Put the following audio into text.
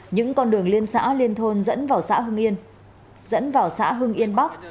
những con đường liên xã liên thôn dẫn vào xã hương yên dẫn vào xã hương yên bắc